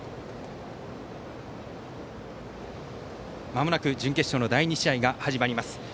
まもなく準決勝の第２試合が始まります。